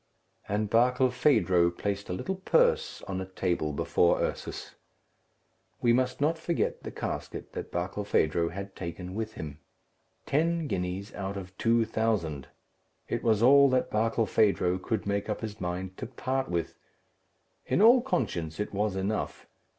And Barkilphedro placed a little purse on a table before Ursus. We must not forget the casket that Barkilphedro had taken with him. Ten guineas out of two thousand! It was all that Barkilphedro could make up his mind to part with. In all conscience it was enough.